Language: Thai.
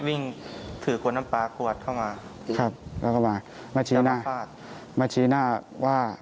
วิ่งถือขวดน้ำปลาขวดเข้ามาครับแล้วก็มามาชี้หน้าฟาดมาชี้หน้าว่า